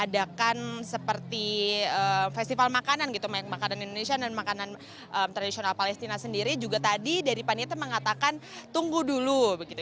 adakan seperti festival makanan gitu makanan indonesia dan makanan tradisional palestina sendiri juga tadi dari panite mengatakan tunggu dulu begitu